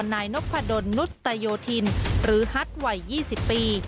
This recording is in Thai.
นายนพดลนุตโยธินหรือฮัทวัย๒๐ปี